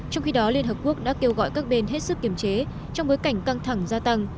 trong khi đó liên hợp quốc đã kêu gọi các bên hết sức kiềm chế trong bối cảnh căng thẳng gia tăng